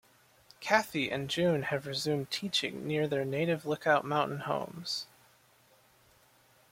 Kathy and June have resumed teaching near their native Lookout Mountain homes.